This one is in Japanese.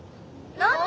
何で？